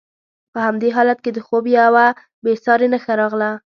په همدې حالت کې د خوب یوه بې ساري نښه راغله.